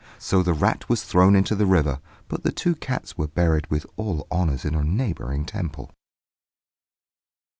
So the rat was thrown into the river; but the two cats were buried with all honours in a neighbouring temple."